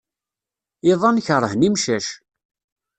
Iḍan keṛhen imcac.